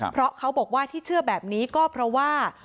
เพราะเขาบอกว่าที่เชื่อแบบนี้ก็เพราะว่า